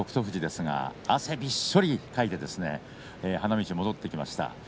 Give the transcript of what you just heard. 富士ですが汗びっしょりかいて花道を戻ってきました。